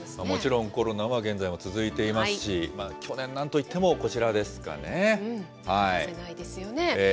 もちろんコロナは現在も続いていますし、去年なんと言っても、外せないですよね。